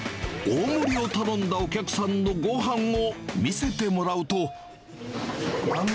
大盛りを頼んだお客さんのごはんを見せてもらうと。